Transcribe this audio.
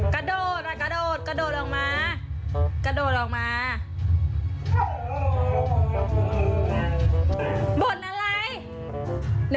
กระโดดล่ะกระโดดกระโดดออกมา